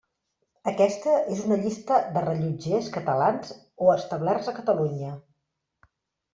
Aquesta és una llista de rellotgers catalans o establerts a Catalunya.